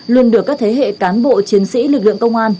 luôn được các thế hệ cán bộ chiến sĩ lực lượng công an